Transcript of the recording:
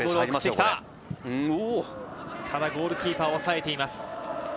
ただゴールキーパー、抑えています。